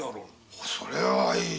それはいい。